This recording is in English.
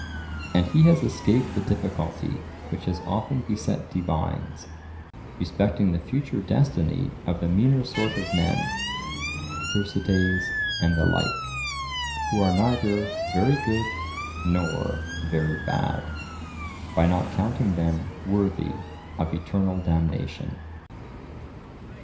And he has escaped the difficulty which has often beset divines, respecting the future destiny of the meaner sort of men (Thersites and the like), who are neither very good nor very bad, by not counting them worthy of eternal damnation.